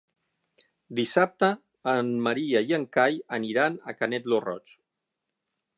Dissabte en Maria i en Cai aniran a Canet lo Roig.